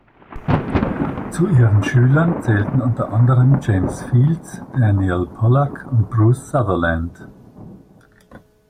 Zu ihren Schülern zählten unter anderem James Fields, Daniel Pollack und Bruce Sutherland.